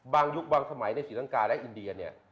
ยุคบางสมัยในศรีลังกาและอินเดียเนี่ย